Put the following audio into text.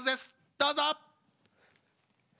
どうぞ！